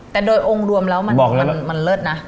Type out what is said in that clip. แต่โดยองค์รวมแล้วมันเลิศนะ